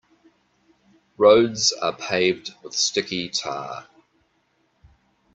Roads are paved with sticky tar.